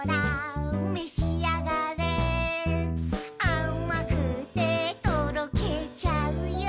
「あまくてとろけちゃうよ」